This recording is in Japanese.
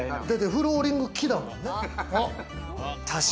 フローリング、木だもんね。